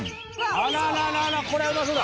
あらあらこれはうまそうだ！